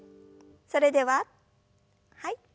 それでははい。